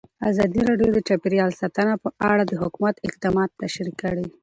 ازادي راډیو د چاپیریال ساتنه په اړه د حکومت اقدامات تشریح کړي.